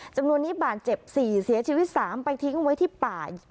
จำนวนนี้บาดเจ็บ๔เสียชีวิต๓ไปทิ้งไว้ที่ป่า